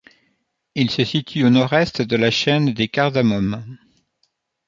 Il se situe au nord-est de la chaîne des Cardamomes.